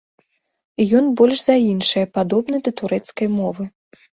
Ён больш за іншыя падобны да турэцкай мовы.